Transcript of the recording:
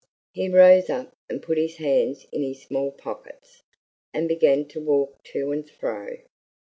He rose up, and put his hands in his small pockets, and began to walk to and fro.